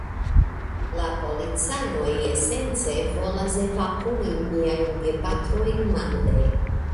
La policanoj esence volas evakui miajn gepatrojn marde.